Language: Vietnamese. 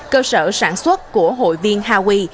cơ sở sản xuất của hội viên haui